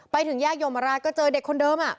ไปถึงแยกยมราชก็เจอเด็กคนเดิม